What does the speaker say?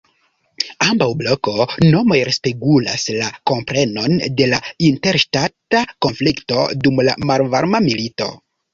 Ambaŭ "bloko"-nomoj respegulas la komprenon de la interŝtata konflikto dum la Malvarma Milito.